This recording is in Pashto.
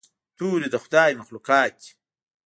ستوري د خدای مخلوقات دي.